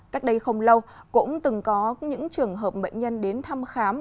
cách đây không lâu cũng từng có những trường hợp bệnh nhân đến thăm khám